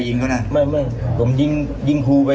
ผมยิงหู่ไป๑หทก่อนยิงขึ้นไป